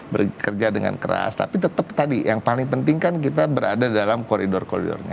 bekerja dengan keras tapi tetap tadi yang paling penting kan kita berada dalam koridor koridornya